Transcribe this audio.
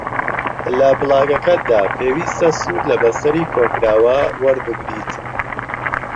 لە بڵاگەکەتدا پێویستە سوود لە بەستەری کۆکراوە وەربگریت